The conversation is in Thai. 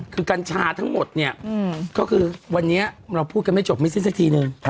คือกัญชาทั้งหมดเนี่ยก็คือวันนี้เราพูดกันไม่จบไม่สิ้นสักทีนึง